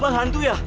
bang hantu ya